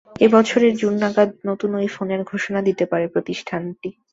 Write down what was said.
এ বছরের জুন নাগাদ নতুন ওই ফোনের ঘোষণা দিতে পারে প্রতিষ্ঠানটি।